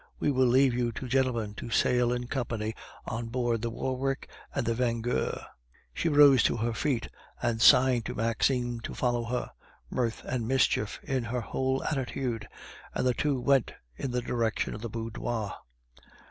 We will leave you two gentlemen to sail in company on board the Warwick and the Vengeur." She rose to her feet and signed to Maxime to follow her, mirth and mischief in her whole attitude, and the two went in the direction of the boudoir.